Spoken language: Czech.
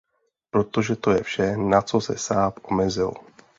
Protože to je vše, na co se Saab omezil.